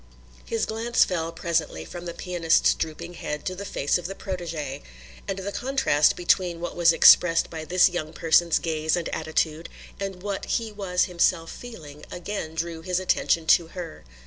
His glance fell presently from the pianist's drooping head to the face of the protégée, and the contrast between what was expressed by this young person's gaze and attitude and what he was himself feeling again drew his attention to her.